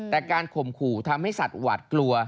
แต่การข่มขู่ทำให้สัตว์หวาดกลัว